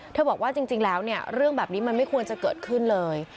บอกว่าจริงแล้วเนี่ยเรื่องแบบนี้มันไม่ควรจะเกิดขึ้นเลย